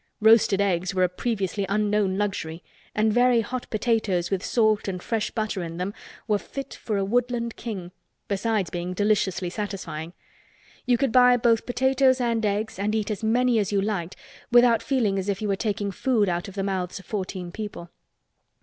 Roasted eggs were a previously unknown luxury and very hot potatoes with salt and fresh butter in them were fit for a woodland king—besides being deliciously satisfying. You could buy both potatoes and eggs and eat as many as you liked without feeling as if you were taking food out of the mouths of fourteen people.